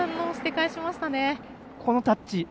このタッチ。